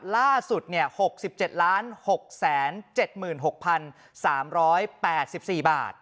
ล่าสุด๖๗๖๗๖๓๘๔บาท